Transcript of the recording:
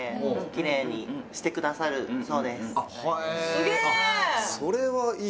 すげえ！